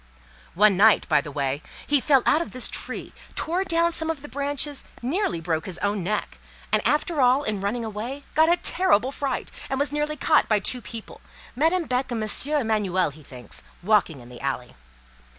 One night, by the way, he fell out of this tree, tore down some of the branches, nearly broke his own neck, and after all, in running away, got a terrible fright, and was nearly caught by two people, Madame Beck and M. Emanuel, he thinks, walking in the alley.